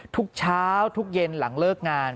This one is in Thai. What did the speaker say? ทุกเช้าทุกเย็นหลังเลิกงาน